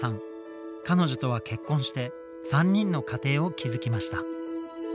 彼女とは結婚して３人の家庭を築きました。